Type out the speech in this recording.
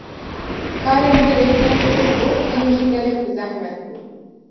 Karên berê hêm pir bû hêm jî gelek bi zehmet bû.